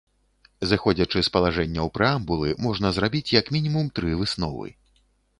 Зыходзячы з палажэнняў прэамбулы, можна зрабіць як мінімум тры высновы.